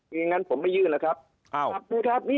อย่างนั้นผมไม่ยื่นนะครับอ้าว